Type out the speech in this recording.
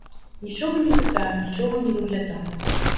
Нічога не пытаю, нічога не выглядаю.